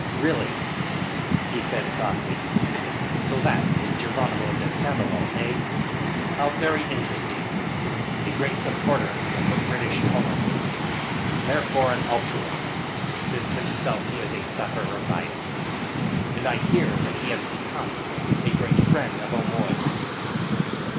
"Really!" he said softly. "So that is Jeronymo de Samoval, eh? How very interesting. A great supporter of the British policy; therefore an altruist, since himself he is a sufferer by it; and I hear that he has become a great friend of O'Moy's."